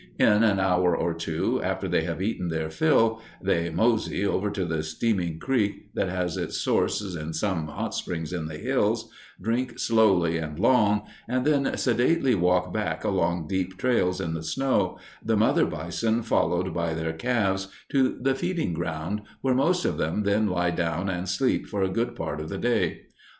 In an hour or two, after they have eaten their fill, they "mosey" over to the steaming creek that has its sources in some hot springs in the hills, drink slowly and long, and then sedately walk back along deep trails in the snow, the mother bison followed by their calves, to the feeding ground, where most of them then lie down and sleep for a good part of the day.